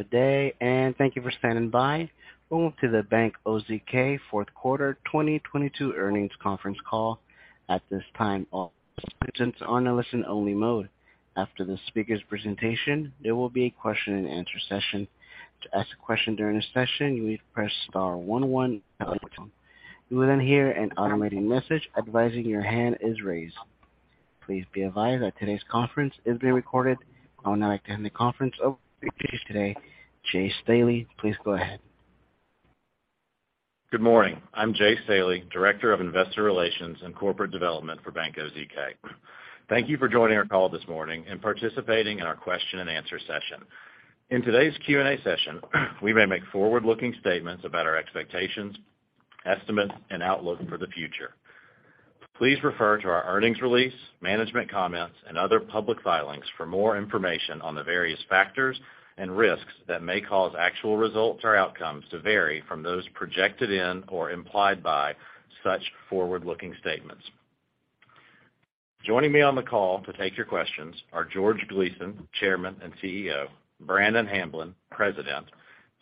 Good day. Thank you for standing by. Welcome to the Bank OZK fourth quarter 2022 Earnings Conference Call. At this time, all participants are on a listen-only mode. After the speaker's presentation, there will be a question-and-answer session. To ask a question during this session, you need to press star one one on your telephone. You will hear an automated message advising your hand is raised. Please be advised that today's conference is being recorded. I will now attend the conference over to you today. Jay Staley, please go ahead. Good morning. I'm Jay Staley, Director of Investor Relations and Corporate Development for Bank OZK. Thank you for joining our call this morning and participating in our question-and-answer session. In today's Q&A session, we may make forward-looking statements about our expectations, estimates, and outlook for the future. Please refer to our earnings release, management comments, and other public filings for more information on the various factors and risks that may cause actual results or outcomes to vary from those projected in or implied by such forward-looking statements. Joining me on the call to take your questions are George Gleason, Chairman and CEO, Brannon Hamblen, President,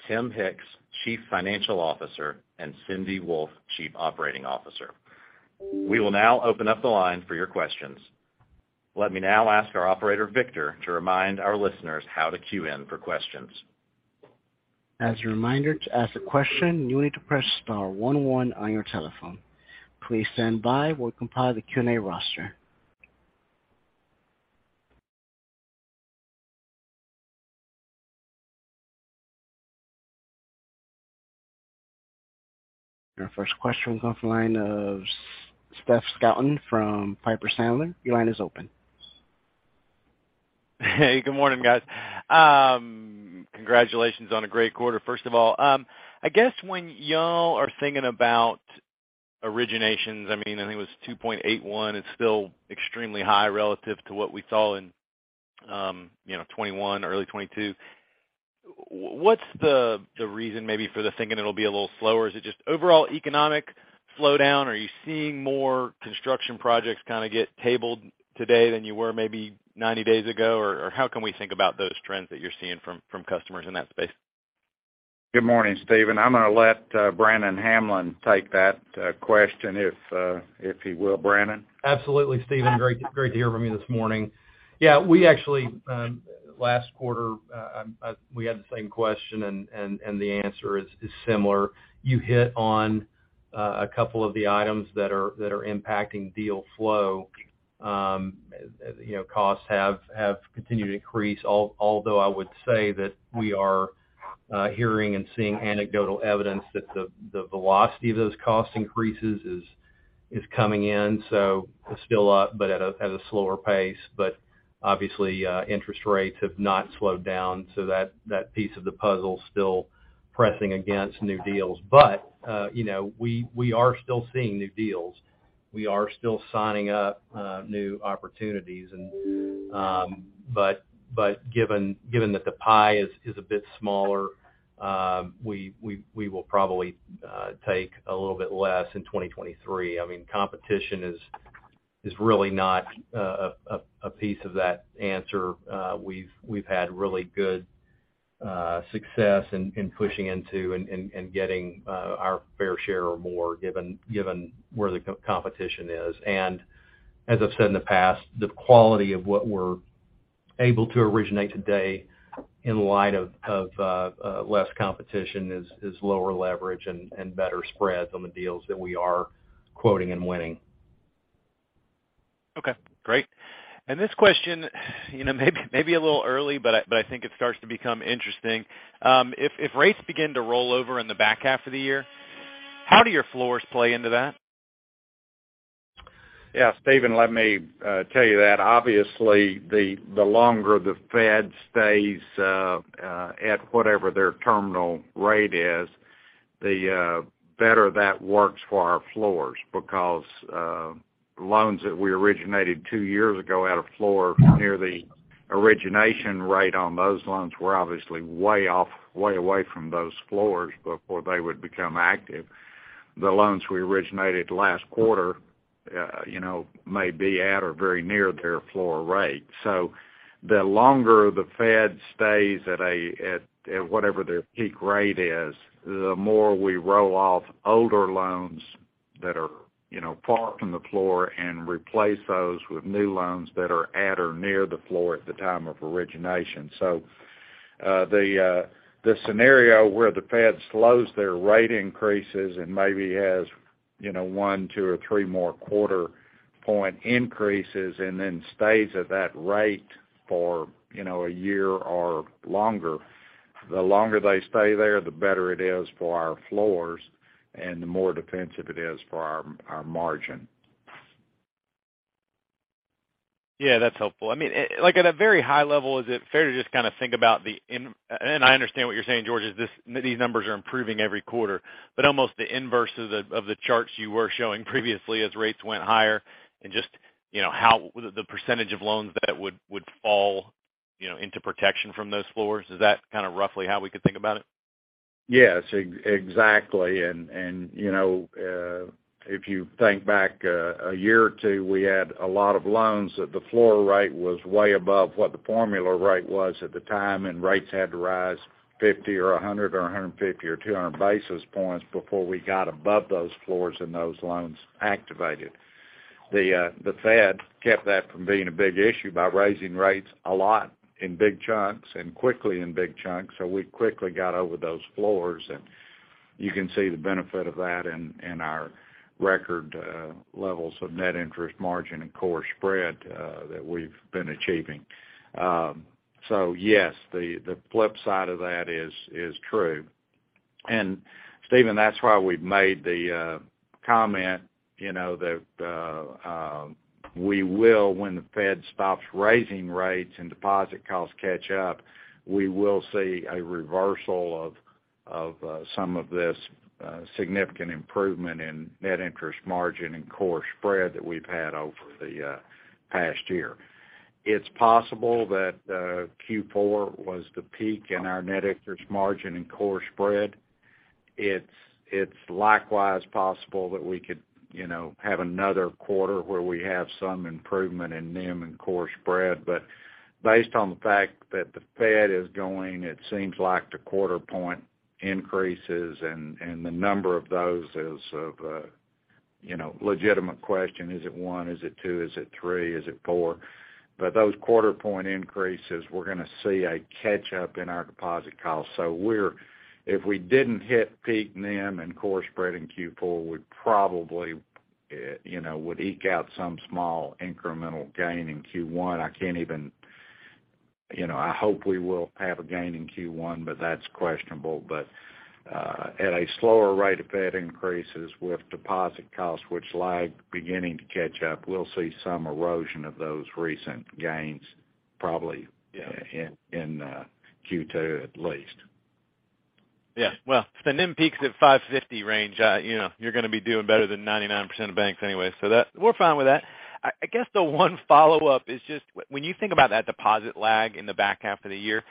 Tim Hicks, Chief Financial Officer, and Cindy Wolfe, Chief Operating Officer. We will now open up the line for your questions. Let me now ask our operator, Victor, to remind our listeners how to queue in for questions. As a reminder, to ask a question, you need to press star one one on your telephone. Please stand by while we compile the Q&A roster. Our first question comes from the line of Stephen Scouten from Piper Sandler. Your line is open. Hey, good morning, guys. Congratulations on a great quarter, first of all. I guess when y'all are thinking about originations, I mean, I think it was 2.81. It's still extremely high relative to what we saw in 2021, early 2022. What's the reason maybe for the thinking it'll be a little slower? Is it just overall economic slowdown? Are you seeing more construction projects kinda get tabled today than you were maybe 90 days ago? Or how can we think about those trends that you're seeing from customers in that space? Good morning, Stephen. I'm gonna let Brannon Hamblen take that question if he will. Brannon. Absolutely, Stephen. Great to hear from you this morning. We actually, last quarter, we had the same question and the answer is similar. You hit on a couple of the items that are impacting deal flow. You know, costs have continued to increase, although I would say that we are hearing and seeing anecdotal evidence that the velocity of those cost increases is coming in, so it's still up, but at a slower pace. Obviously, interest rates have not slowed down, so that piece of the puzzle is still pressing against new deals. You know, we are still seeing new deals. We are still signing up new opportunities. But given that the pie is a bit smaller, we will probably take a little bit less in 2023. I mean competition is really not a piece of that answer. We've had really good success in pushing into and getting our fair share or more given where the co-competition is. As I've said in the past, the quality of what we're able to originate today in light of less competition is lower leverage and better spreads on the deals that we are quoting and winning. Okay, great. This question, you know, may be a little early, but I think it starts to become interesting. If rates begin to roll over in the back half of the year, how do your floors play into that? Stephen, let me tell you that. Obviously, the longer the Fed stays at whatever their terminal rate is, the better that works for our floors because loans that we originated two years ago at a floor near the origination rate on those loans were obviously way off, way away from those floors before they would become active. The loans we originated last quarter, you know, may be at or very near their floor rate. The longer the Fed stays at whatever their peak rate is, the more we roll off older loans that are, you know, far from the floor and replace those with new loans that are at or near the floor at the time of origination. The scenario where the Fed slows their rate increases and maybe has, you know, one, two, or three more quarter point increases and then stays at that rate for, you know, a year or longer, the longer they stay there, the better it is for our floors and the more defensive it is for our margin. Yeah, that's helpful. I mean, like at a very high level, is it fair to just kinda think about the and I understand what you're saying, George, these numbers are improving every quarter? Almost the inverse of the, of the charts you were showing previously as rates went higher and just, you know, how the percentage of loans that would fall, you know, into protection from those floors. Is that kind of roughly how we could think about it? Yes, exactly. You know, if you think back a year or two, we had a lot of loans that the floor rate was way above what the formula rate was at the time, and rates had to rise 50 or 100 or 150 or 200 basis points before we got above those floors and those loans activated. The Fed kept that from being a big issue by raising rates a lot in big chunks and quickly in big chunks. We quickly got over those floors, and you can see the benefit of that in our record levels of net interest margin and core spread that we've been achieving. Yes, the flip side of that is true. Stephen, that's why we've made the comment, you know, that we will when the Fed stops raising rates and deposit costs catch up, we will see a reversal of some of this significant improvement in net interest margin and core spread that we've had over the past year. It's possible that Q4 was the peak in our net interest margin and core spread. It's likewise possible that we could, you know, have another quarter where we have some improvement in NIM and core spread. Based on the fact that the Fed is going, it seems like the 0.25 point increases and the number of those is of, you know, legitimate question, is it one, is it two, is it three, is it four? Those 0.25 point increases, we're gonna see a catch-up in our deposit costs. We're if we didn't hit peak NIM and core spread in Q4, we'd probably, you know, would eke out some small incremental gain in Q1. I can't even. You know, I hope we will have a gain in Q1, but that's questionable. At a slower rate of Fed increases with deposit costs, which lag beginning to catch up, we'll see some erosion of those recent gains probably in Q2, at least. Well, if the NIM peaks at 550 range, you know, you're gonna be doing better than 99% of banks anyway. We're fine with that. I guess the one follow-up is just when you think about that deposit lag in the back half of the year,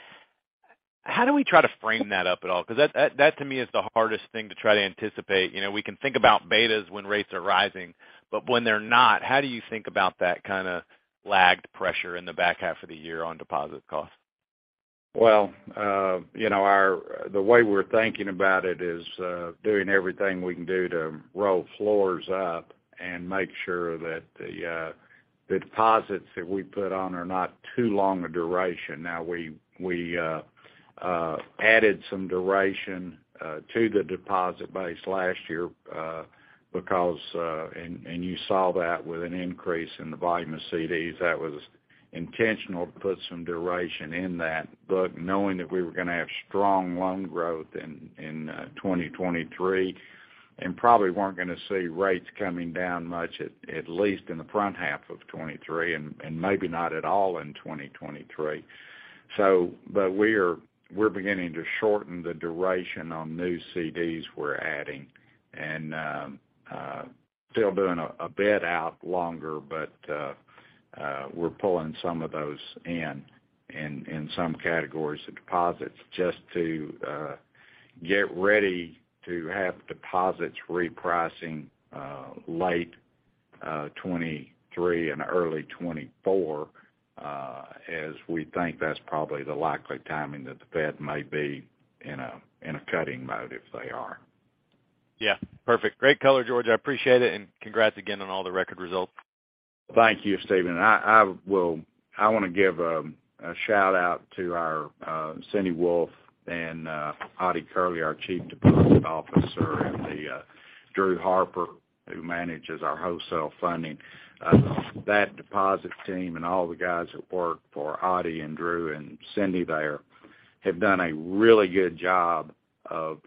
how do we try to frame that up at all? That to me is the hardest thing to try to anticipate. You know, we can think about betas when rates are rising, when they're not, how do you think about that kind of lagged pressure in the back half of the year on deposit costs? Well, you know, the way we're thinking about it is, doing everything we can do to roll floors up and make sure that the deposits that we put on are not too long a duration. Now, we added some duration to the deposit base last year because and you saw that with an increase in the volume of CDs. That was intentional to put some duration in that. Knowing that we were gonna have strong loan growth in 2023 and probably weren't gonna see rates coming down much, at least in the front half of 2023 and maybe not at all in 2023. We're beginning to shorten the duration on new CDs we're adding. Still doing a bit out longer, but we're pulling some of those in some categories of deposits just to get ready to have deposits repricing late 2023 and early 2024, as we think that's probably the likely timing that the Fed may be in a cutting mode if they are. Yeah. Perfect. Great color, George. I appreciate it, and congrats again on all the record results. Thank you, Stephen. I wanna give a shout-out to our Cindy Wolfe and Hayden Curley, our Chief Deposit Officer, and the Drew Harper, who manages our wholesale funding. That deposit team and all the guys that work for Ottie and Drew and Cindy there have done a really good job of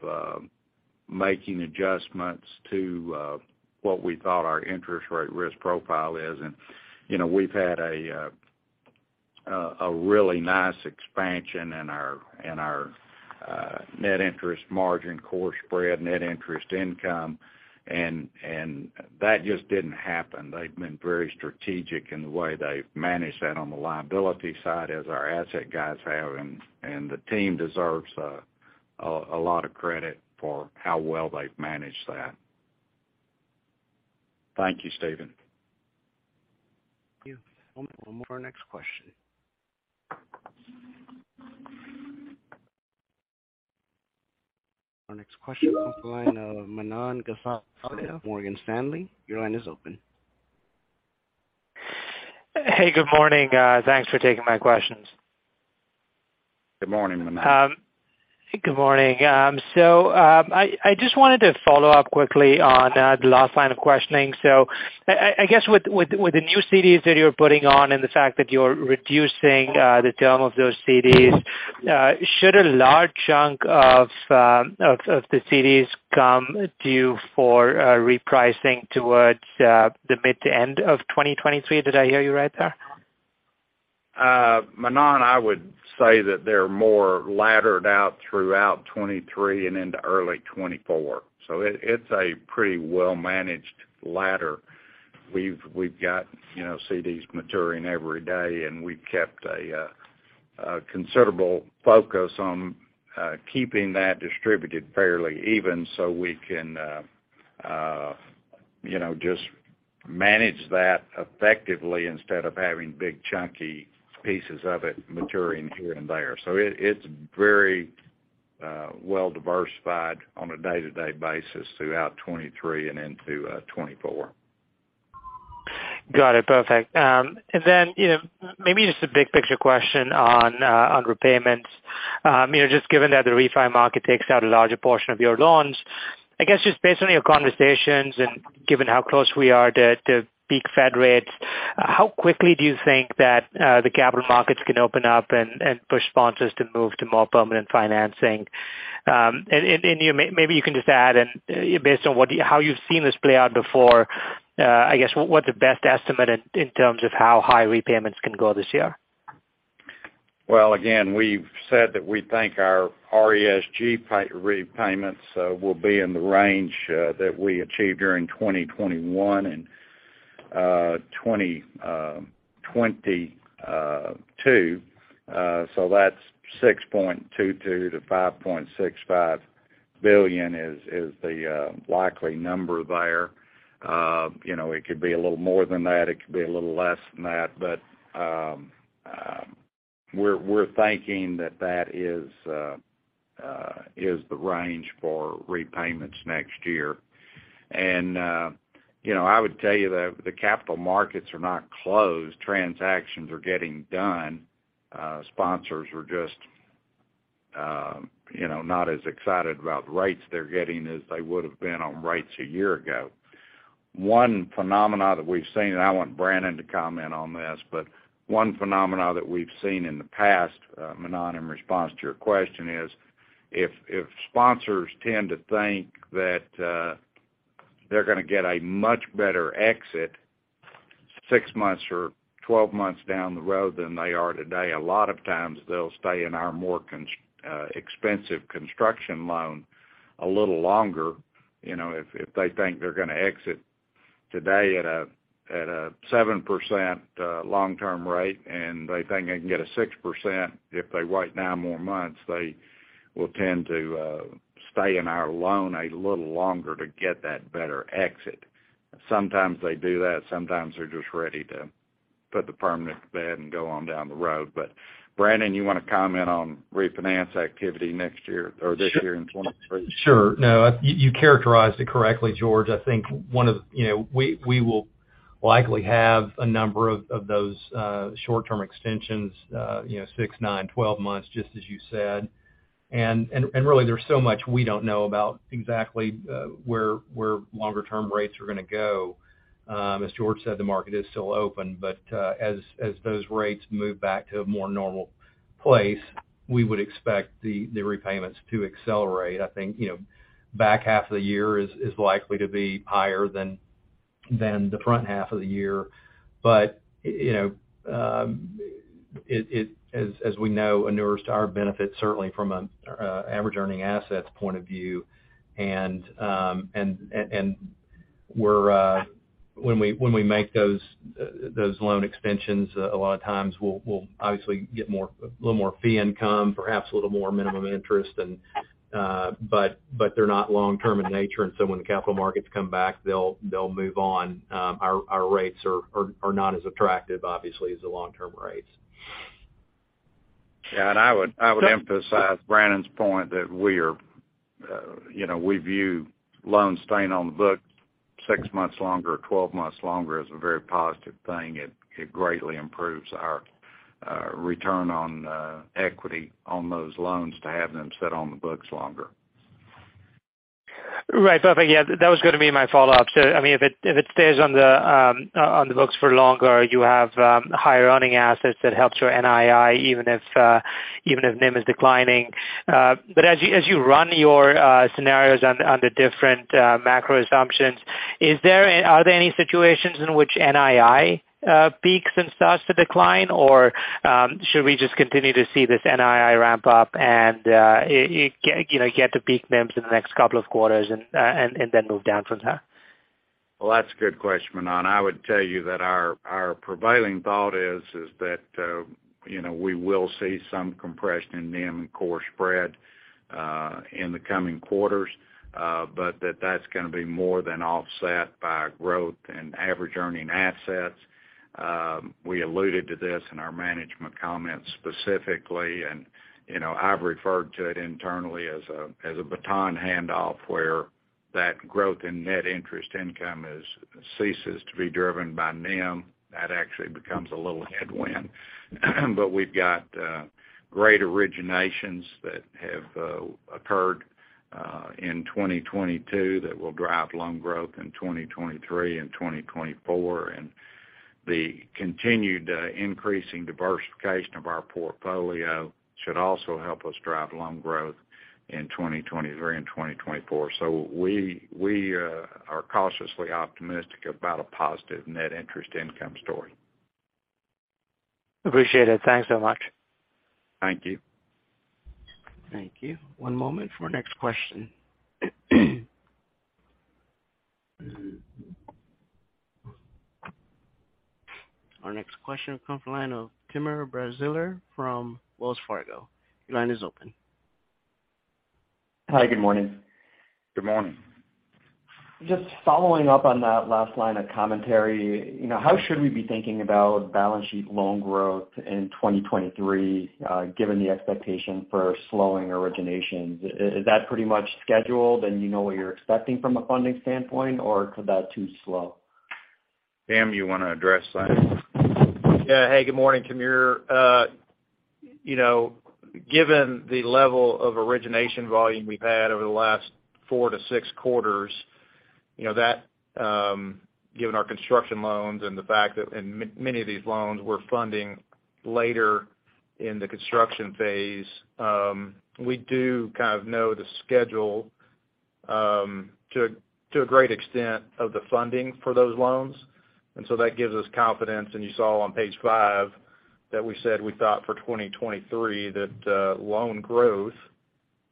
making adjustments to what we thought our interest rate risk profile is. You know, we've had a really nice expansion in our net interest margin, core spread, net interest income. That just didn't happen. They've been very strategic in the way they've managed that on the liability side as our asset guys have, and the team deserves a lot of credit for how well they've managed that. Thank you, Stephen. Thank you. One moment for our next question. Our next question comes from the line of Manan Gosalia of Morgan Stanley. Your line is open. Hey, good morning. Thanks for taking my questions. Good morning, Manan. Good morning. I just wanted to follow up quickly on the last line of questioning. I guess with the new CDs that you're putting on and the fact that you're reducing the term of those CDs, should a large chunk of the CDs come due for repricing towards the mid to end of 2023? Did I hear you right there? Manan Gosalia, I would say that they're more laddered out throughout 2023 and into early 2024. It's a pretty well-managed ladder. We've got, you know, CDs maturing every day, and we've kept a considerable focus on keeping that distributed fairly even so we can, you know, just manage that effectively instead of having big chunky pieces of it maturing here and there. It's very well diversified on a day-to-day basis throughout 2023 and into 2024. Got it. Perfect. Then, you know, maybe just a big picture question on repayments. You know, just given that the refi market takes out a larger portion of your loans, I guess just based on your conversations and given how close we are to peak Fed rates, how quickly do you think that the capital markets can open up and push sponsors to move to more permanent financing? Maybe you can just add and based on how you've seen this play out before, I guess what the best estimate in terms of how high repayments can go this year? Well, again, we've said that we think our RESG repayments will be in the range that we achieved during 2021 and 2022. That's $6.22 billion-$5.65 billion is the likely number there. You know, it could be a little more than that, it could be a little less than that. We're thinking that that is the range for repayments next year. You know, I would tell you that the capital markets are not closed. Transactions are getting done. Sponsors are just, you know, not as excited about the rates they're getting as they would have been on rates a year ago. One phenomena that we've seen, and I want Brannon to comment on this, but one phenomena that we've seen in the past, Manan, in response to your question, is if sponsors tend to think that they're gonna get a much better exit six months or 12 months down the road than they are today, a lot of times they'll stay in our more expensive construction loan a little longer. You know, if they think they're gonna exit today at a 7% long-term rate, and they think they can get a 6% if they wait 9 more months, they will tend to stay in our loan a little longer to get that better exit. Sometimes they do that. Sometimes they're just ready to put the permanent bed and go on down the road. Brannon, you wanna comment on refinance activity next year or this year in 23? Sure. No, you characterized it correctly, George. I think one of. You know, we will likely have a number of those, short-term extensions, you know, six, nine, 12 months, just as you said. Really there's so much we don't know about exactly where longer-term rates are gonna go. As George said, the market is still open, but as those rates move back to a more normal place, we would expect the repayments to accelerate. I think, you know, back half of the year is likely to be higher than the front half of the year. You know, it, as we know, inures to our benefit, certainly from a average earning assets point of view. We're when we make those loan extensions, a lot of times we'll obviously get a little more fee income, perhaps a little more minimum interest and, but they're not long-term in nature, and so when the capital markets come back, they'll move on. Our rates are not as attractive, obviously, as the long-term rates. Yeah. I would emphasize Brannon's point that we are, you know, we view loans staying on the books six months longer or 12 months longer as a very positive thing. It greatly improves our return on equity on those loans to have them sit on the books longer. Right. Perfect. Yeah, that was gonna be my follow-up. I mean, if it stays on the books for longer, you have higher earning assets that helps your NII, even if, even if NIM is declining. As you run your scenarios on the different macro assumptions, are there any situations in which NII peaks and starts to decline? Should we just continue to see this NII ramp up and, you know, get to peak NIMs in the next couple of quarters and then move down from there? Well, that's a good question, Manan. I would tell you that our prevailing thought is that, you know, we will see some compression in NIM and core spread in the coming quarters, but that's gonna be more than offset by growth in average earning assets. We alluded to this in our management comments specifically, and, you know, I've referred to it internally as a baton handoff where that growth in net interest income ceases to be driven by NIM. That actually becomes a little headwind. We've got great originations that have occurred in 2022 that will drive loan growth in 2023 and 2024. The continued increasing diversification of our portfolio should also help us drive loan growth in 2023 and 2024. We are cautiously optimistic about a positive net interest income story. Appreciate it. Thanks so much. Thank you. Thank you. One moment for our next question. Our next question comes from the line of Timur Braziler from Wells Fargo. Your line is open. Hi, good morning. Good morning. Just following up on that last line of commentary, you know, how should we be thinking about balance sheet loan growth in 2023, given the expectation for slowing originations? Is that pretty much scheduled and you know what you're expecting from a funding standpoint, or could that too slow? Tim, you wanna address that? Yeah. Hey, good morning, Timur. You know, given the level of origination volume we've had over the last four to six quarters, you know, that, given our construction loans and the fact that many of these loans we're funding later in the construction phase, we do kind of know the schedule to a great extent of the funding for those loans. That gives us confidence. You saw on page 5 that we said we thought for 2023 that loan growth,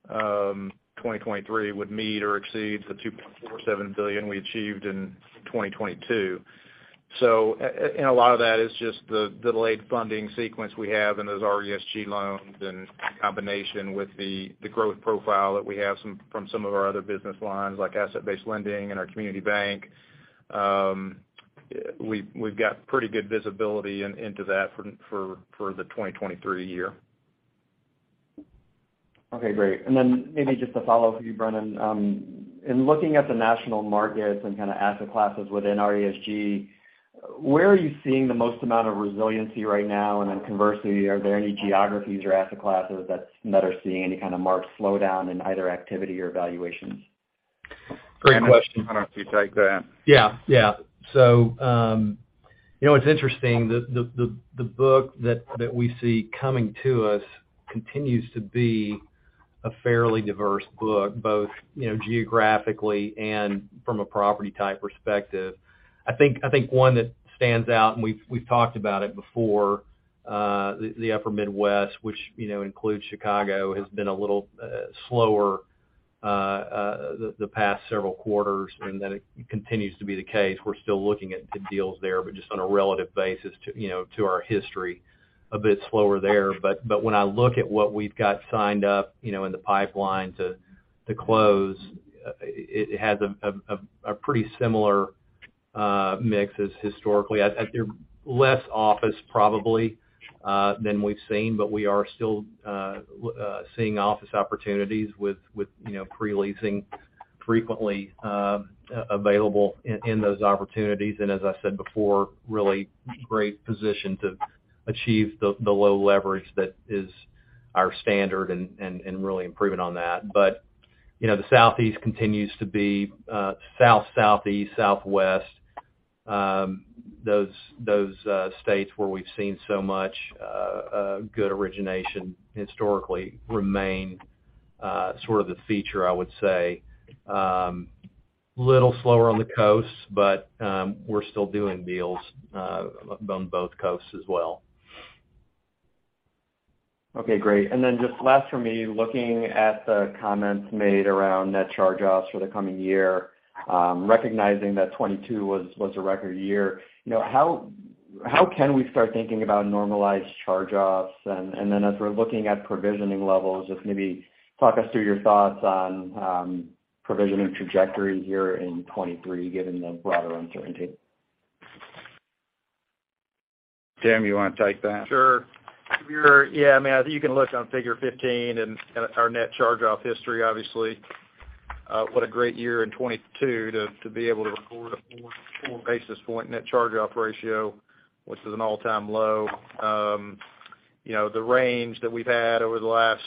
2023 would meet or exceed the $2.47 billion we achieved in 2022. A lot of that is just the delayed funding sequence we have in those RESG loans in combination with the growth profile that we have from some of our other business lines, like asset-based lending and our community bank. We've got pretty good visibility into that for the 2023 year. Okay, great. Maybe just to follow up with you, Brendan, in looking at the national markets and kind of asset classes within RESG, where are you seeing the most amount of resiliency right now? Conversely, are there any geographies or asset classes that are seeing any kind of marked slowdown in either activity or valuations? Great question. Why don't you take that? Yeah. Yeah. You know, it's interesting, the book that we see coming to us continues to be a fairly diverse book, both, you know, geographically and from a property type perspective. I think one that stands out, and we've talked about it before, the upper Midwest, which, you know, includes Chicago, has been a little slower the past several quarters, and that continues to be the case. We're still looking at the deals there, but just on a relative basis to, you know, to our history, a bit slower there. When I look at what we've got signed up, you know, in the pipeline to close, it has a pretty similar mix as historically. I, they're less office probably, than we've seen, but we are still seeing office opportunities with, you know, pre-leasing frequently available in those opportunities. As I said before, really great position to achieve the low leverage that is our standard and really improving on that. You know, the Southeast continues to be south, southeast, southwest, those states where we've seen so much good origination historically remain sort of the feature, I would say. Little slower on the coasts, but we're still doing deals on both coasts as well. Okay, great. Just last for me, looking at the comments made around net charge-offs for the coming year, recognizing that 2022 was a record year, you know, how can we start thinking about normalized charge-offs? As we're looking at provisioning levels, just maybe talk us through your thoughts on, provisioning trajectory here in 2023, given the broader uncertainty. Tim, you wanna take that? Sure. Sure. Yeah, I mean, you can look on figure 15 and our net charge-off history, obviously. What a great year in 2022 to be able to record a 4 basis point net charge-off ratio, which is an all-time low. You know, the range that we've had over the last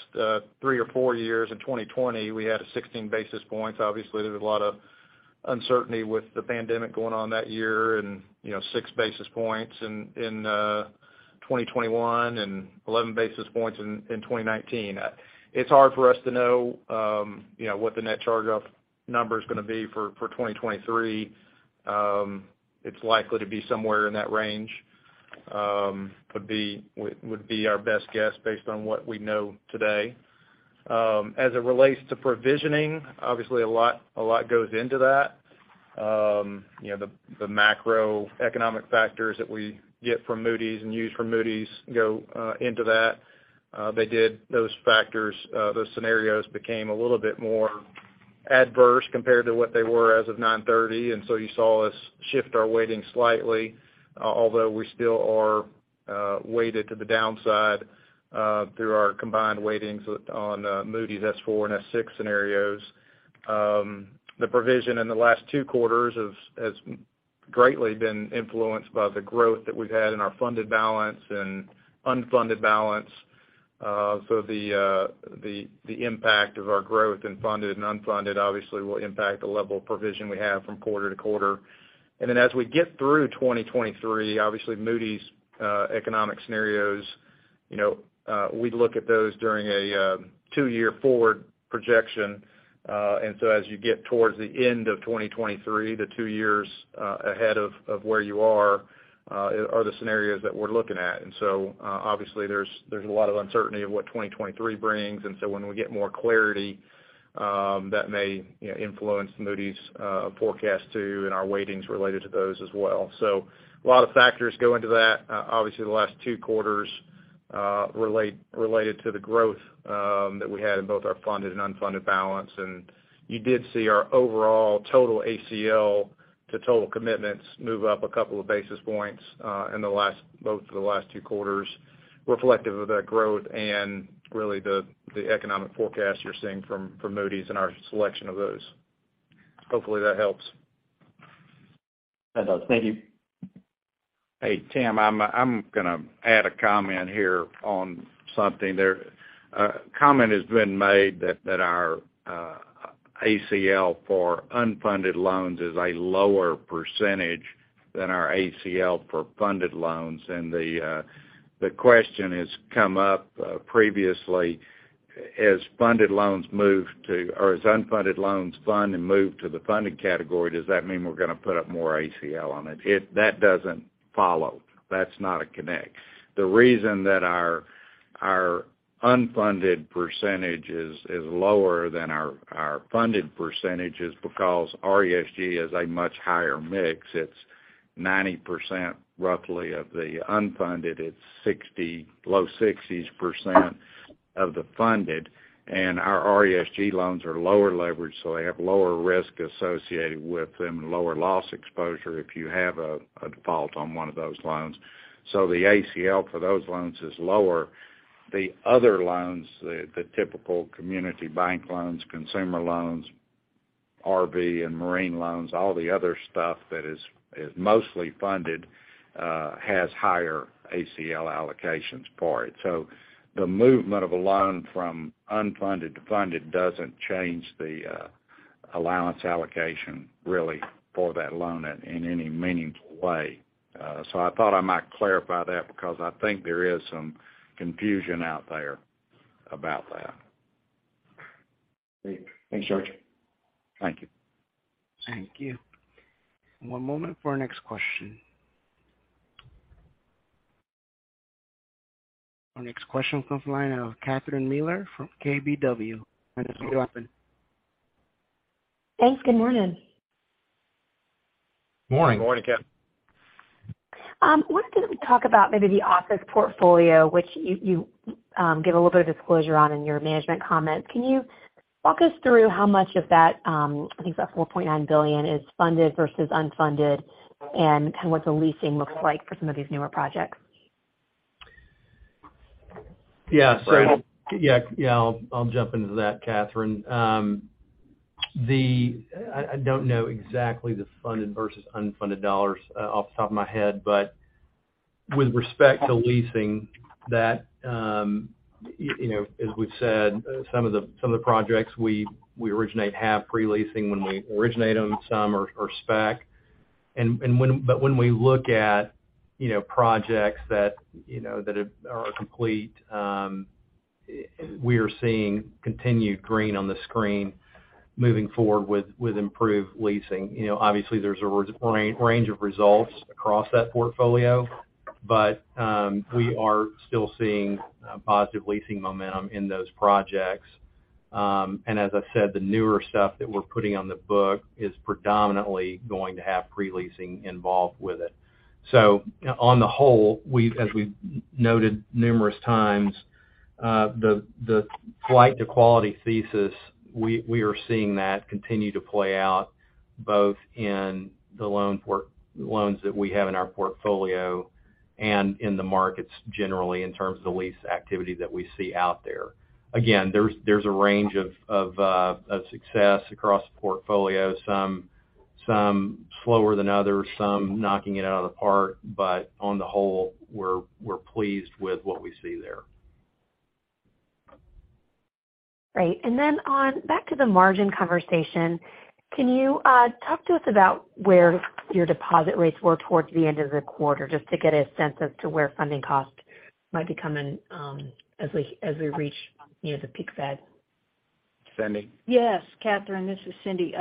three or four years, in 2020, we had a 16 basis points. Obviously, there was a lot of uncertainty with the pandemic going on that year and, you know, 6 basis points in 2021 and 11 basis points in 2019. It's hard for us to know, you know, what the net charge-off number's gonna be for 2023. It's likely to be somewhere in that range, would be our best guess based on what we know today. As it relates to provisioning, obviously a lot goes into that. You know, the macroeconomic factors that we get from Moody's and use from Moody's go into that. They did those factors, those scenarios became a little bit more adverse compared to what they were as of 9:30, you saw us shift our weighting slightly, although we still are weighted to the downside through our combined weightings on Moody's S4 and S6 scenarios. The provision in the last two quarters has greatly been influenced by the growth that we've had in our funded balance and unfunded balance. The impact of our growth in funded and unfunded obviously will impact the level of provision we have from quarter to quarter. Then as we get through 2023, obviously Moody's, economic scenarios. You know, we look at those during a two-year forward projection. As you get towards the end of 2023, the two years ahead of where you are the scenarios that we're looking at. Obviously, there's a lot of uncertainty of what 2023 brings, and so when we get more clarity, that may, you know, influence Moody's forecast too, and our weightings related to those as well. A lot of factors go into that. Obviously, the last two quarters, related to the growth that we had in both our funded and unfunded balance. You did see our overall total ACL to total commitments move up a couple of basis points for the last two quarters reflective of that growth and really the economic forecast you're seeing from Moody's and our selection of those. Hopefully that helps. That helps. Thank you. Hey, Tim, I'm gonna add a comment here on something there. A comment has been made that our ACL for unfunded loans is a lower percentage than our ACL for funded loans. The question has come up previously as funded loans move to or as unfunded loans fund and move to the funded category, does that mean we're gonna put up more ACL on it? That doesn't follow. That's not a connect. The reason that our unfunded percentage is lower than our funded percentage is because RESG is a much higher mix. It's 90% roughly of the unfunded. It's 60%, low 60s% of the funded. Our RESG loans are lower leverage, so they have lower risk associated with them, lower loss exposure if you have a default on one of those loans. The ACL for those loans is lower. The other loans, the typical community bank loans, consumer loans, RV and Marine loans, all the other stuff that is mostly funded, has higher ACL allocations for it. The movement of a loan from unfunded to funded doesn't change the allowance allocation really for that loan in any meaningful way. I thought I might clarify that because I think there is some confusion out there about that. Great. Thanks, George. Thank you. Thank you. One moment for our next question. Our next question comes from the line of Catherine Mealor from KBW. Your line is open. Thanks. Good morning. Morning. Morning, Catherine. Wanted to talk about maybe the office portfolio, which you give a little bit of disclosure on in your management comments. Can you walk us through how much of that, I think that $4.9 billion is funded vs unfunded and what the leasing looks like for some of these newer projects? Yeah. Go ahead. Yeah, yeah, I'll jump into that, Catherine Mealor. I don't know exactly the funded vs unfunded dollars off the top of my head, but with respect to leasing that, you know, as we've said, some of the projects we originate have pre-leasing when we originate them, some are spec. But when we look at, you know, projects that are complete, we are seeing continued green on the screen moving forward with improved leasing. You know, obviously, there's a range of results across that portfolio, but we are still seeing positive leasing momentum in those projects. As I said, the newer stuff that we're putting on the book is predominantly going to have pre-leasing involved with it. On the whole, as we've noted numerous times, the flight to quality thesis, we are seeing that continue to play out both in the loans that we have in our portfolio and in the markets generally in terms of the lease activity that we see out there. Again, there's a range of success across the portfolio, some slower than others, some knocking it out of the park. On the whole, we're pleased with what we see there. Great. On back to the margin conversation, can you talk to us about where your deposit rates were towards the end of the quarter, just to get a sense as to where funding costs might be coming, as we reach near the peak fed? Cindy? Yes, Catherine, this is Cindy.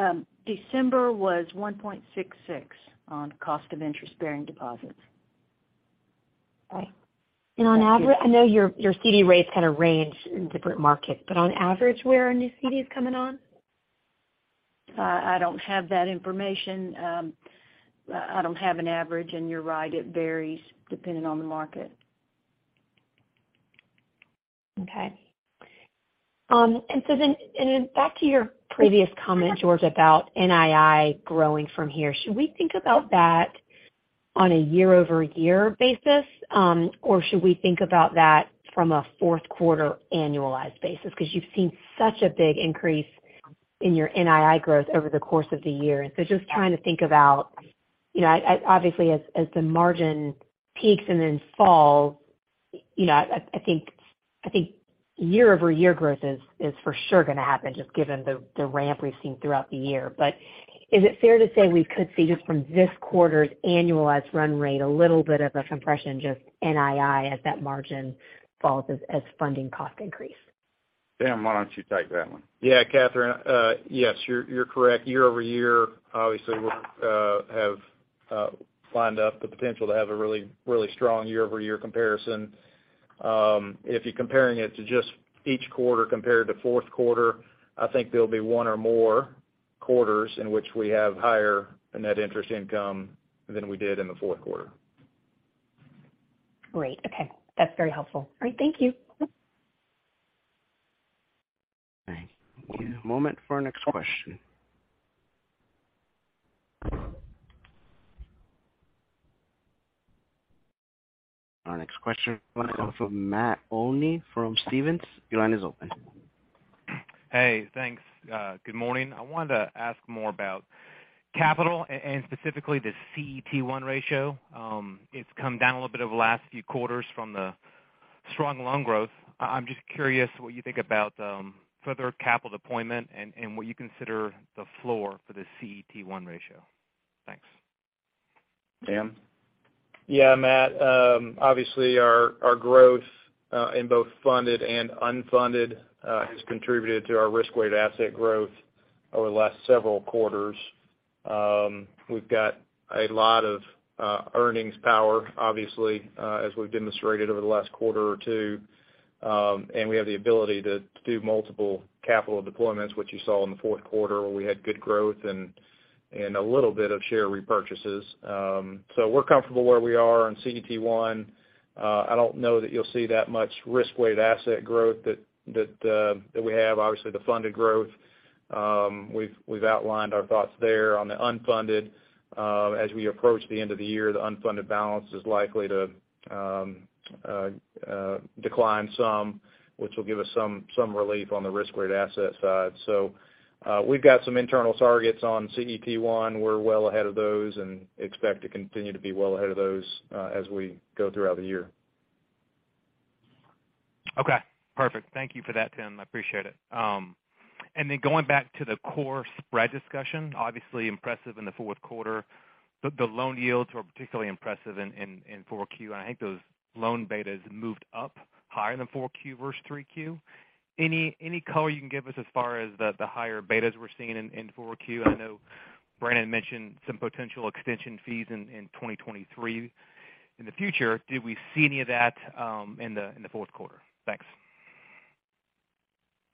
December was 1.66% on cost of interest-bearing deposits. Okay. On average, I know your CD rates kind of range in different markets, but on average, where are new CDs coming on? I don't have that information. I don't have an average. You're right, it varies depending on the market. Okay. Back to your previous comment, George, about NII growing from here. Should we think about that on a year-over-year basis, or should we think about that from a fourth quarter annualized basis? You've seen such a big increase in your NII growth over the course of the year. Just trying to think about, you know, obviously, as the margin peaks and then falls, you know, I think year-over-year growth is for sure gonna happen just given the ramp we've seen throughout the year. Is it fair to say we could see just from this quarter's annualized run rate a little bit of a compression, just NII as that margin falls as funding costs increase? Tim, why don't you take that one? Yeah, Catherine, yes, you're correct. Year-over-year, obviously we'll have lined up the potential to have a really strong year-over-year comparison. If you're comparing it to just each quarter compared to fourth quarter, I think there'll be one or more quarters in which we have higher net interest income than we did in the fourth quarter. Great. Okay. That's very helpful. All right, thank you. All right. One moment for our next question. Our next question comes from Matt Olney from Stephens. Your line is open. Hey, thanks. Good morning. I wanted to ask more about capital and specifically the CET1 ratio. It's come down a little bit over the last few quarters from the strong loan growth. I'm just curious what you think about further capital deployment and what you consider the floor for the CET1 ratio. Thanks. Tim? Yeah, Matt. Obviously, our growth, in both funded and unfunded, has contributed to our risk-weighted asset growth over the last several quarters. We've got a lot of earnings power, obviously, as we've demonstrated over the last quarter or two. We have the ability to do multiple capital deployments, which you saw in the fourth quarter, where we had good growth and a little bit of share repurchases. We're comfortable where we are on CET1. I don't know that you'll see that much risk-weighted asset growth that we have. Obviously, the funded growth, we've outlined our thoughts there. On the unfunded, as we approach the end of the year, the unfunded balance is likely to decline some, which will give us some relief on the risk-weighted asset side. We've got some internal targets on CET1. We're well ahead of those and expect to continue to be well ahead of those as we go throughout the year. Okay. Perfect. Thank you for that, Tim. I appreciate it. Then going back to the core spread discussion, obviously impressive in the fourth quarter, the loan yields were particularly impressive in four Q, and I think those loan betas moved up higher than four Q vs three Q. Any color you can give us as far as the higher betas we're seeing in four Q? I know Brannon mentioned some potential extension fees in 2023. In the future, did we see any of that in the fourth quarter? Thanks.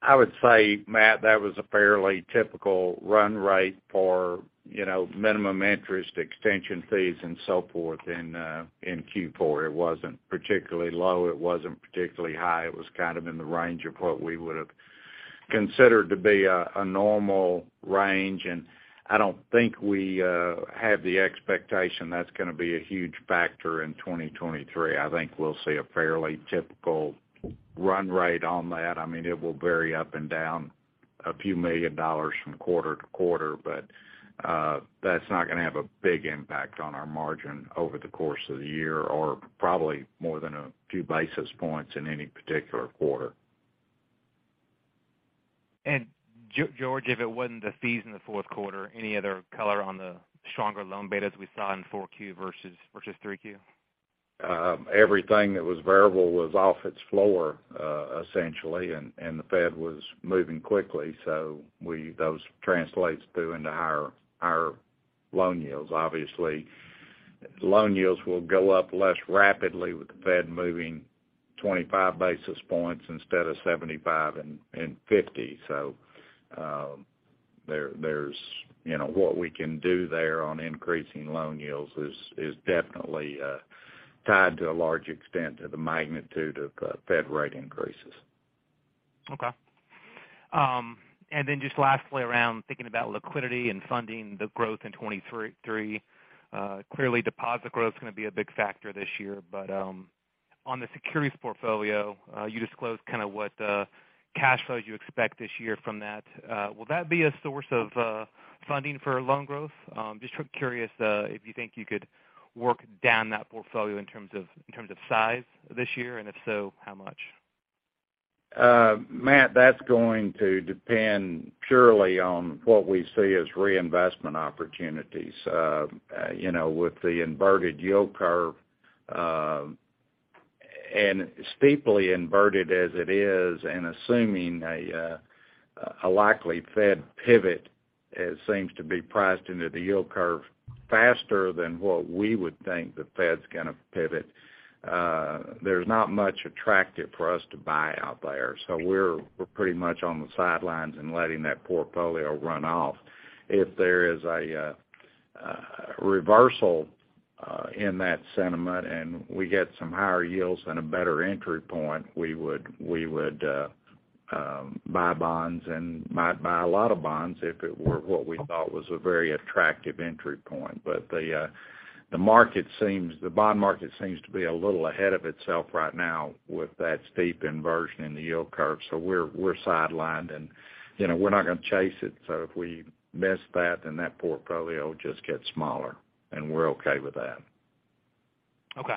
I would say, Matt, that was a fairly typical run rate for, you know, minimum interest extension fees and so forth in Q4. It wasn't particularly low. It wasn't particularly high. It was kind of in the range of what we would have considered to be a normal range. I don't think we have the expectation that's gonna be a huge factor in 2023. I think we'll see a fairly typical run rate on that. I mean, it will vary up and down a few million dollars from quarter to quarter, but that's not gonna have a big impact on our margin over the course of the year or probably more than a few basis points in any particular quarter. George, if it wasn't the fees in the fourth quarter, any other color on the stronger loan betas we saw in four Q vs three Q? Everything that was variable was off its floor, essentially, and the Fed was moving quickly, so those translates through into higher loan yields. Obviously, loan yields will go up less rapidly with the Fed moving 25 basis points instead of 75 and 50. There's, you know, what we can do there on increasing loan yields is definitely tied to a large extent to the magnitude of Fed rate increases. Okay. Just lastly around thinking about liquidity and funding the growth in 23, clearly deposit growth is gonna be a big factor this year. On the securities portfolio, you disclosed kind of what cash flows you expect this year from that. Will that be a source of funding for loan growth? Just curious, if you think you could work down that portfolio in terms of size this year, and if so, how much? Matt, that's going to depend purely on what we see as reinvestment opportunities. You know, with the inverted yield curve, and steeply inverted as it is, and assuming a likely Fed pivot as seems to be priced into the yield curve faster than what we would think the Fed's gonna pivot, there's not much attractive for us to buy out there. We're pretty much on the sidelines and letting that portfolio run off. If there is a reversal in that sentiment and we get some higher yields and a better entry point, we would buy bonds and might buy a lot of bonds if it were what we thought was a very attractive entry point. The bond market seems to be a little ahead of itself right now with that steep inversion in the yield curve, so we're sidelined. You know, we're not gonna chase it, so if we miss that, then that portfolio just gets smaller, and we're okay with that. Okay.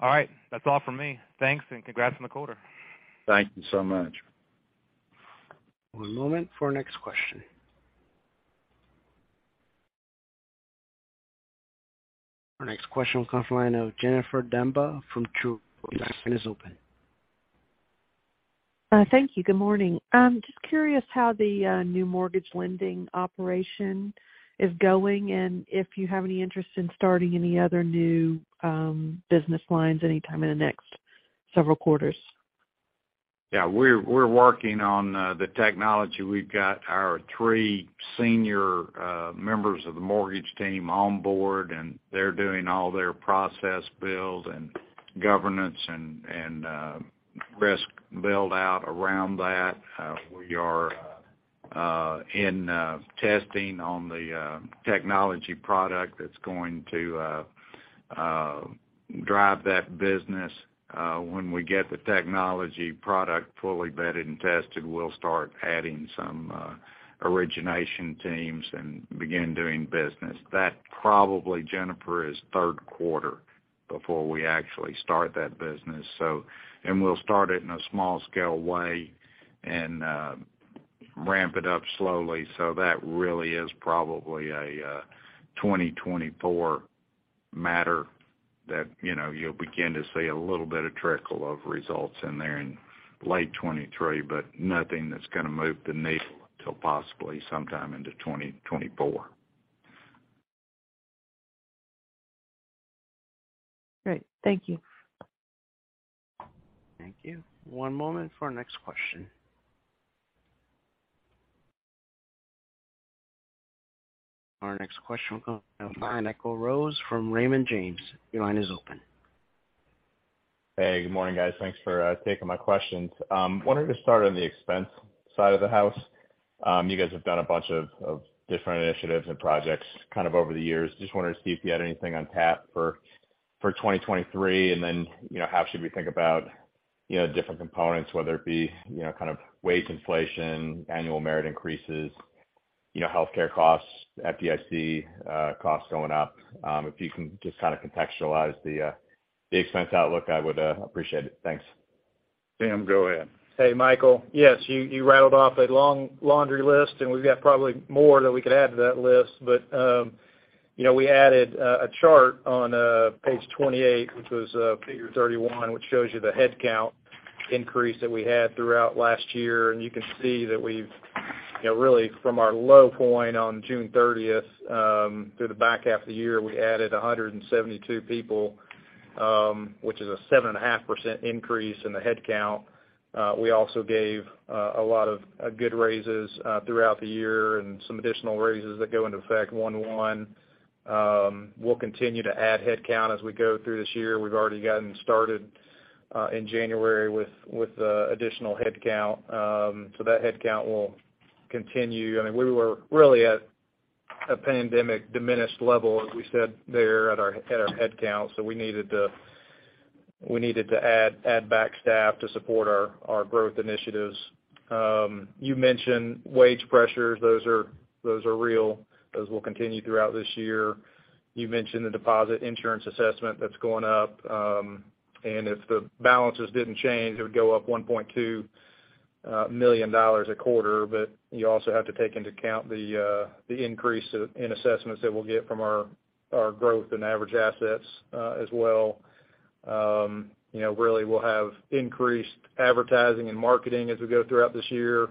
All right. That's all from me. Thanks, and congrats on the quarter. Thank you so much. One moment for our next question. Our next question will come from the line of Jennifer Demba from Truist. Your line is open. Thank you. Good morning. I'm just curious how the new mortgage lending operation is going, and if you have any interest in starting any other new business lines anytime in the next several quarters. Yeah. We're working on the technology. We've got our three senior members of the mortgage team on board, they're doing all their process build and governance and risk build out around that. We are in testing on the technology product that's going to drive that business. When we get the technology product fully vetted and tested, we'll start adding some origination teams and begin doing business. That probably, Jennifer, is third quarter before we actually start that business. We'll start it in a small scale way and ramp it up slowly. That really is probably a 2024 matter that, you know, you'll begin to see a little bit of trickle of results in there in late 2023, nothing that's gonna move the needle until possibly sometime into 2024. Great. Thank you. Thank you. One moment for our next question. Our next question will come from the line of Michael Rose from Raymond James. Your line is open. Hey, good morning, guys. Thanks for taking my questions. Wanted to start on the expense side of the house. You guys have done a bunch of different initiatives and projects kind of over the years. Just wondering to see if you had anything on tap for 2023. Then, you know, how should we think about, you know, different components, whether it be, you know, kind of wage inflation, annual merit increases, you know, healthcare costs, FDIC, costs going up. If you can just kind of contextualize the expense outlook, I would appreciate it. Thanks. Tim, go ahead. Hey, Michael. Yes, you rattled off a long laundry list, and we've got probably more that we could add to that list. You know, we added a chart on page 28, which was figure 31, which shows you the headcount increase that we had throughout last year. You can see that we've, you know, really from our low point on June thirtieth, through the back half of the year, we added 172 people, which is a 7.5% increase in the headcount. We also gave a lot of good raises throughout the year and some additional raises that go into effect 1/1. We'll continue to add headcount as we go through this year. We've already gotten started in January with additional headcount. That headcount will continue. I mean, we were really at a pandemic diminished level, as we said there at our headcount, so we needed to add back staff to support our growth initiatives. You mentioned wage pressures. Those are real. Those will continue throughout this year. You mentioned the deposit insurance assessment that's going up. If the balances didn't change, it would go up $1.2 million a quarter. You also have to take into account the increase in assessments that we'll get from our growth in average assets as well. You know, really we'll have increased advertising and marketing as we go throughout this year,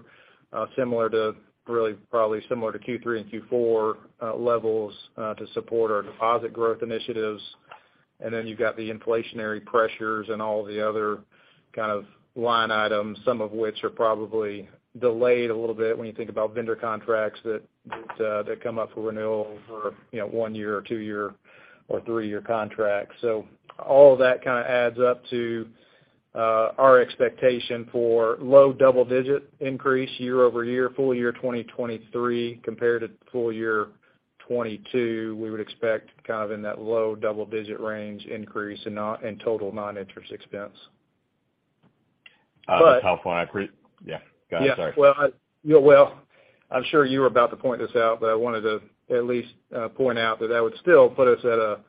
similar to really, probably similar to Q3 and Q4 levels to support our deposit growth initiatives. Then you've got the inflationary pressures and all the other kind of line items, some of which are probably delayed a little bit when you think about vendor contracts that come up for renewal for, you know, one year or two year or three-year contracts. All of that kind of adds up to our expectation for low double-digit increase year-over-year, full year 2023 compared to full year 2022. We would expect kind of in that low double-digit range increase in total non-interest expense. That's helpful. But- Yeah. Go ahead, sorry. Yeah. Well, I'm sure you were about to point this out, but I wanted to at least point out that that would still put us at a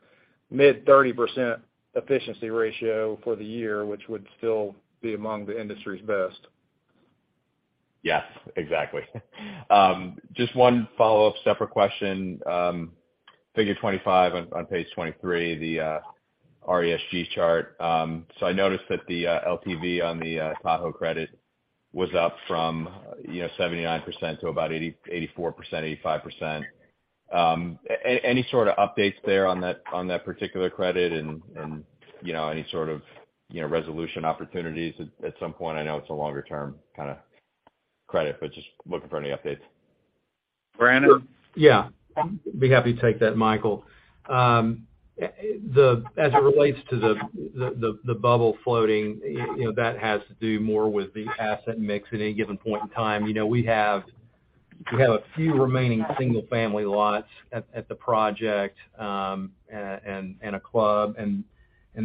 mid-30% efficiency ratio for the year, which would still be among the industry's best. Yes, exactly. Just one follow-up separate question. Figure 25 on page 23, the RESG chart. So I noticed that the LTV on the Tahoe credit was up from, you know, 79% to about 84%-85%. Any sort of updates there on that, on that particular credit and, you know, any sort of, you know, resolution opportunities at some point? I know it's a longer term kind of credit, but just looking for any updates. Brannon? Yeah. Be happy to take that, Michael. As it relates to the bubble floating, you know, that has to do more with the asset mix at any given point in time. You know, we have a few remaining single-family lots at the project, and a club, and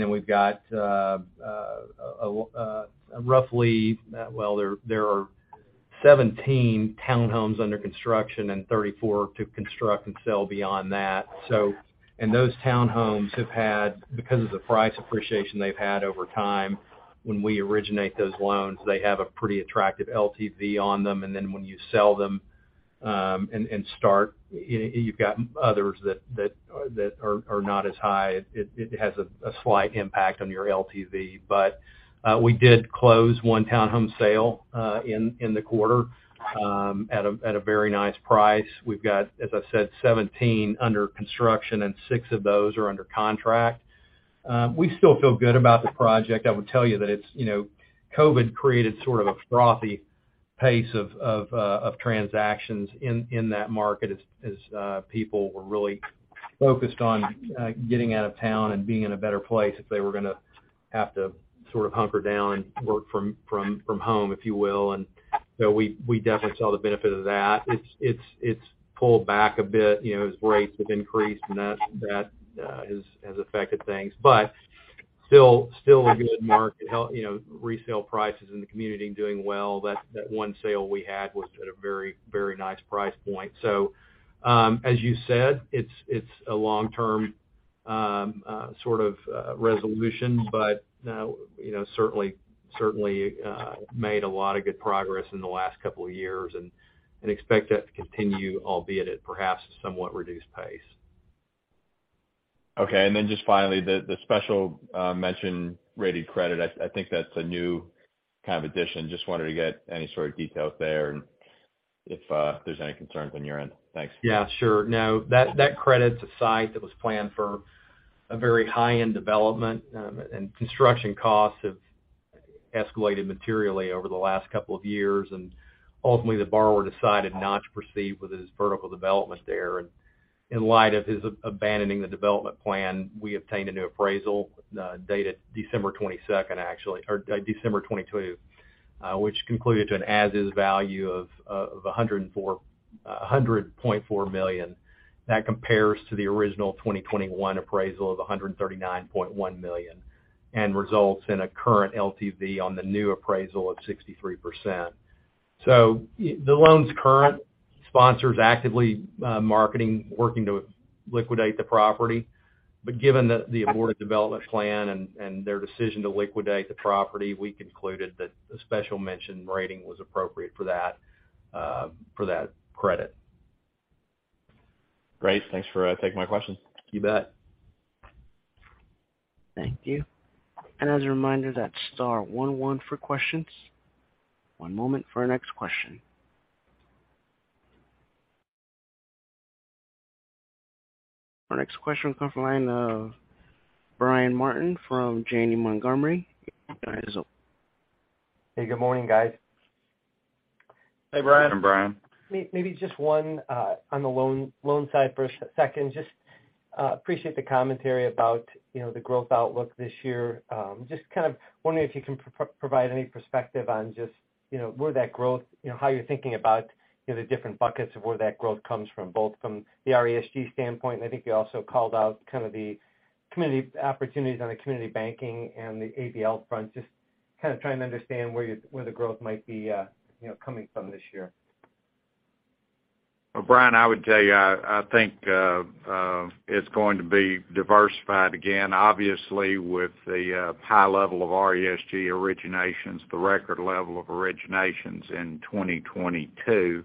then we've got a roughly... Well, there are 17 townhomes under construction and 34 to construct and sell beyond that. Those townhomes have had, because of the price appreciation they've had over time, when we originate those loans, they have a pretty attractive LTV on them. When you sell them, and start, you've got others that are not as high. It has a slight impact on your LTV. We did close one townhome sale in the quarter at a very nice price. We've got, as I said, 17 under construction, six of those are under contract. We still feel good about the project. I would tell you that it's, you know, COVID created sort of a frothy pace of transactions in that market as people were really focused on getting out of town and being in a better place if they were gonna have to sort of hunker down and work from home, if you will. We definitely saw the benefit of that. It's pulled back a bit. You know, as rates have increased and that has affected things. Still a good market. You know, resale prices in the community are doing well. That one sale we had was at a very, very nice price point. As you said, it's a long-term sort of resolution, but you know, certainly made a lot of good progress in the last couple of years and expect that to continue, albeit at perhaps a somewhat reduced pace. Okay. Just finally, the special mention rated credit. I think that's a new kind of addition. Just wanted to get any sort of details there and if there's any concerns on your end. Thanks. Yeah, sure. No. That credit's a site that was planned for a very high-end development, construction costs have escalated materially over the last couple of years. Ultimately, the borrower decided not to proceed with his vertical development there. In light of his abandoning the development plan, we obtained a new appraisal, dated December 22nd or December 22, which concluded to an as is value of $100.4 million. That compares to the original 2021 appraisal of $139.1 million, and results in a current LTV on the new appraisal of 63%. The loan's current. Sponsor's actively marketing, working to liquidate the property. Given the aborted development plan and their decision to liquidate the property, we concluded that a special mention rating was appropriate for that credit. Great. Thanks for taking my question. You bet. Thank you. As a reminder, that's star 11 for questions. One moment for our next question. Our next question comes from the line of Brian Martin from Janney Montgomery. Your line is open. Hey, good morning, guys. Hey, Brian. Morning, Brian. Maybe just one on the loan side for a second. Just appreciate the commentary about, you know, the growth outlook this year. Just kind of wondering if you can provide any perspective on just, you know, where that growth, you know, how you're thinking about, you know, the different buckets of where that growth comes from, both from the RESG standpoint, and I think you also called out kind of the community opportunities on the community banking and the ABL front. Just kind of trying to understand where the growth might be, you know, coming from this year? Brian, I would tell you, I think it's going to be diversified again. Obviously, with the high level of RESG originations, the record level of originations in 2022,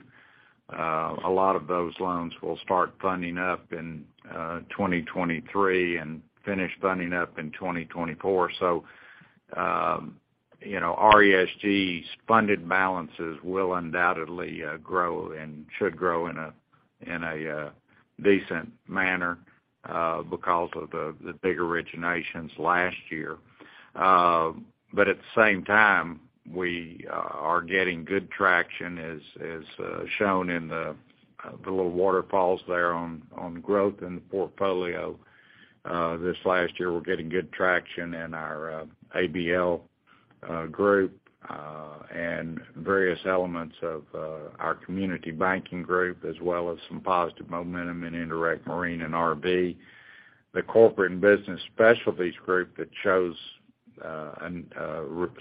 a lot of those loans will start funding up in 2023 and finish funding up in 2024. You know, RESG's funded balances will undoubtedly grow and should grow in a decent manner because of the big originations last year. At the same time, we are getting good traction, as shown in the little waterfalls there on growth in the portfolio this last year. We're getting good traction in our ABL group and various elements of our community banking group, as well as some positive momentum in indirect marine and RV. The Corporate and Business Specialties Group that shows a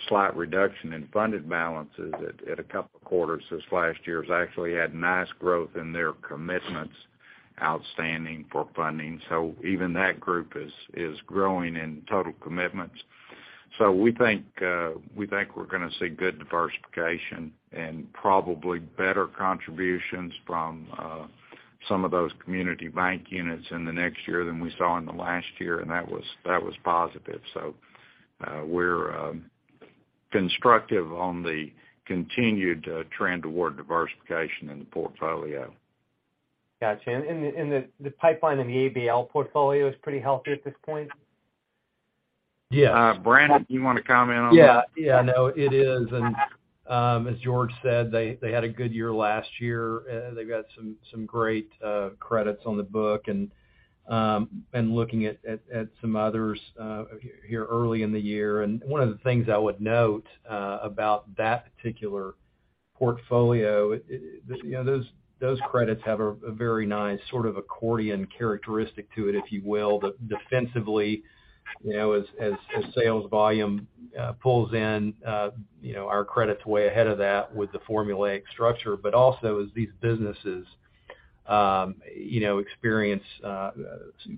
slight reduction in funded balances at a couple of quarters this last year has actually had nice growth in their commitments outstanding for funding. Even that group is growing in total commitments. We think we're gonna see good diversification and probably better contributions from some of those community bank units in the next year than we saw in the last year, and that was positive. We're constructive on the continued trend toward diversification in the portfolio. Got you. The pipeline in the ABL portfolio is pretty healthy at this point? Yeah. Brannon, you want to comment on that? Yeah. Yeah, no, it is. As George said, they had a good year last year. They've got some great credits on the book and looking at some others here early in the year. One of the things I would note about that particular portfolio, you know, those credits have a very nice sort of accordion characteristic to it, if you will, that defensively, you know, as sales volume pulls in, you know, our credit's way ahead of that with the formulaic structure, but also as these businesses You know, experience,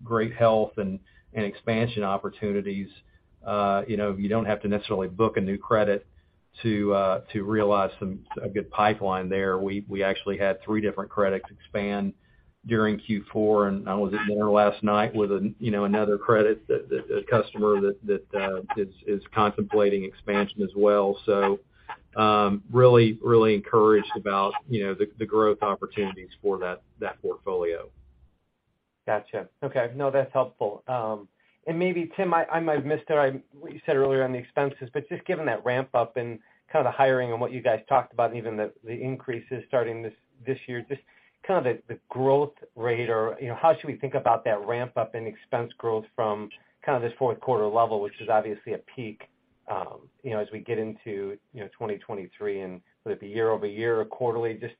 great health and expansion opportunities. You know, you don't have to necessarily book a new credit to realize a good pipeline there. We actually had three different credits expand during Q4, and I was at dinner last night with an, you know, another credit that customer that is contemplating expansion as well. Really encouraged about, you know, the growth opportunities for that portfolio. Gotcha. Okay. No, that's helpful. Maybe Tim, I might have missed it what you said earlier on the expenses, but just given that ramp up and kind of the hiring and what you guys talked about and even the increases starting this year, just kind of the growth rate or, you know, how should we think about that ramp up in expense growth from kind of this fourth quarter level, which is obviously a peak, you know, as we get into, you know, 2023 and would it be year-over-year or quarterly? Just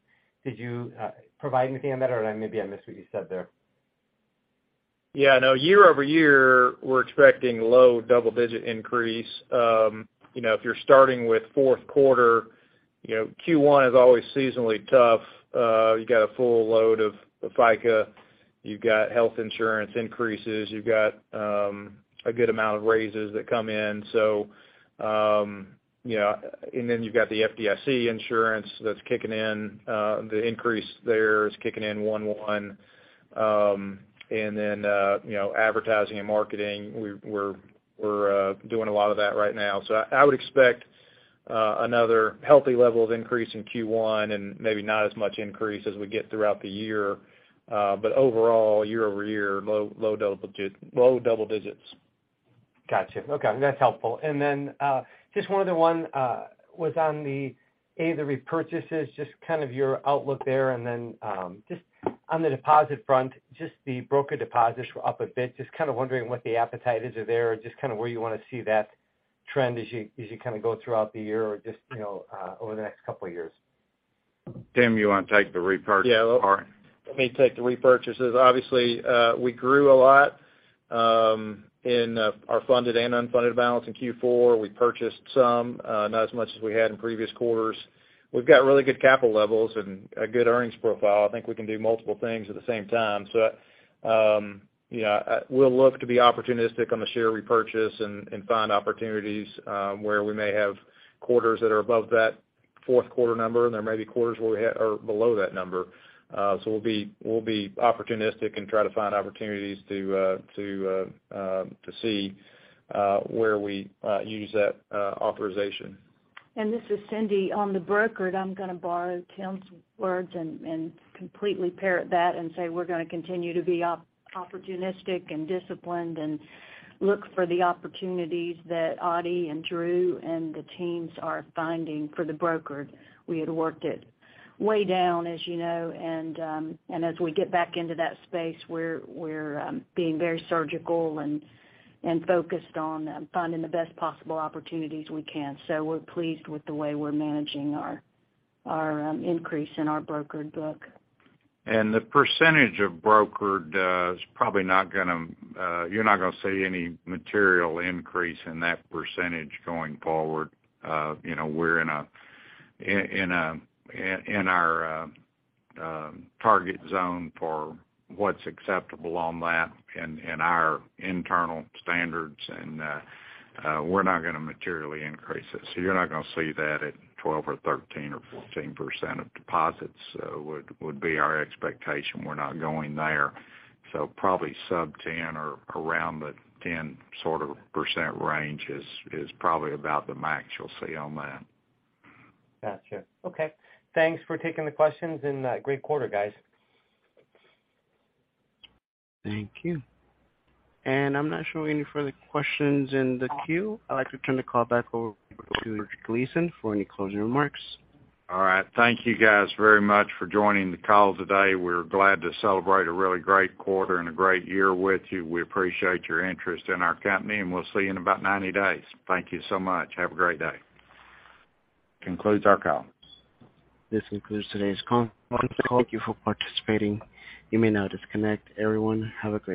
did you provide anything on that or maybe I missed what you said there? Yeah, no, year-over-year, we're expecting low double-digit increase. You know, if you're starting with fourth quarter, you know, Q1 is always seasonally tough. You got a full load of FICA. You've got health insurance increases. You've got a good amount of raises that come in. You know, you've got the FDIC insurance that's kicking in. The increase there is kicking in 1/1. You know, advertising and marketing, we're doing a lot of that right now. I would expect another healthy level of increase in Q1 maybe not as much increase as we get throughout the year. Overall, year-over-year, low double digits. Gotcha. Okay, that's helpful. Just one other one was on the repurchases, just kind of your outlook there. Just on the deposit front, just the broker deposits were up a bit. Just kind of wondering what the appetite is there or just kind of where you wanna see that trend as you kinda go throughout the year or just, you know, over the next couple of years. Tim, you wanna take the repurchase part? Yeah. Let me take the repurchases. Obviously, we grew a lot in our funded and unfunded balance in Q4. We purchased some, not as much as we had in previous quarters. We've got really good capital levels and a good earnings profile. I think we can do multiple things at the same time. You know, we'll look to be opportunistic on the share repurchase and find opportunities, where we may have quarters that are above that fourth quarter number, and there may be quarters where we or below that number. We'll be opportunistic and try to find opportunities to see where we use that authorization. This is Cindy. On the brokered, I'm gonna borrow Tim's words and completely parrot that and say we're gonna continue to be opportunistic and disciplined and look for the opportunities that Ottie and Drew and the teams are finding for the brokered. We had worked it way down, as you know, and as we get back into that space, we're being very surgical and focused on finding the best possible opportunities we can. We're pleased with the way we're managing our increase in our brokered book. The percentage of brokered is probably not gonna, you're not gonna see any material increase in that percentage going forward. You know, we're in our target zone for what's acceptable on that and our internal standards, and we're not gonna materially increase it. You're not gonna see that at 12 or 13 or 14% of deposits, would be our expectation. We're not going there. Probably sub-10 or around the 10% range is probably about the max you'll see on that. Gotcha. Okay. Thanks for taking the questions and, great quarter, guys. Thank you. I'm not showing any further questions in the queue. I'd like to turn the call back over to George Gleason for any closing remarks. All right. Thank you guys very much for joining the call today. We're glad to celebrate a really great quarter and a great year with you. We appreciate your interest in our company, and we'll see you in about 90 days. Thank you so much. Have a great day. This concludes our call. This concludes today's con- call. Thank you for participating. You may now disconnect. Everyone, have a good night.